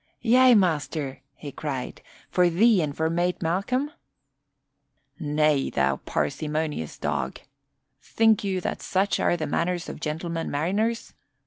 "Yea, master," he cried, "for thee and for Mate Malcolm?" "Nay, thou parsimonious dog! Think you that such are the manners of gentlemen mariners?